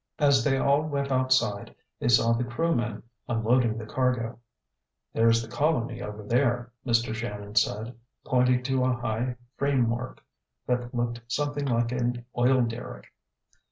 As they all went outside, they saw the crewmen unloading the cargo. "There's the colony over there," Mr. Shannon said, pointing to a high framework that looked something like an oil derrick.